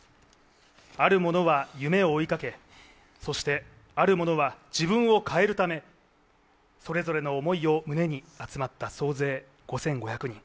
ある者は夢を追いかけそして、ある者は自分を変えるためそれぞれの思いを胸に集まった総勢５５００人。